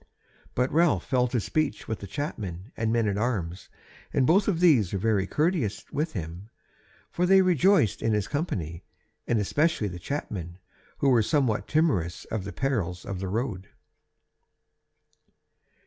But Ralph fell to speech with the chapmen and men at arms; and both of these were very courteous with him; for they rejoiced in his company, and especially the chapmen, who were somewhat timorous of the perils of the road.